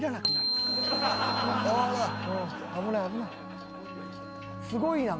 危ない危ない。